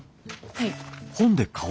はい。